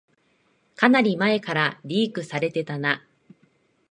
かなり前からリークされてたな